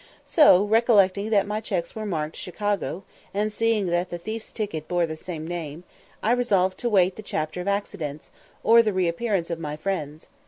So, recollecting that my checks were marked Chicago, and seeing that the thief's ticket bore the same name, I resolved to wait the chapter of accidents, or the re appearance of my friends.